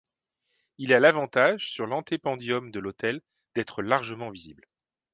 Il a l'avantage sur l'antependium de l'autel d'être largement visible.